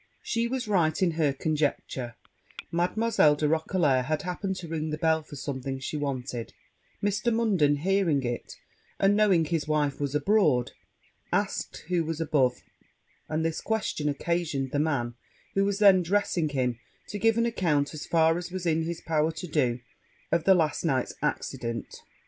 She was right in her conjecture: Mademoiselle de Roquelair had happened to ring the bell for something she wanted; Mr. Munden hearing it, and knowing his wife was abroad, asked who was above; and this question occasioned the man, who was then dressing him, to give an account, as far as was in his power to do, of the last night's accident.